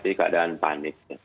tidak ada panik